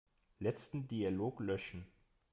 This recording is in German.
Letzten Dialog löschen.